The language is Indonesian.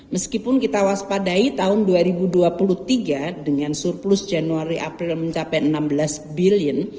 meskipun kita waspadai tahun dua ribu dua puluh tiga dengan surplus januari april mencapai enam belas billion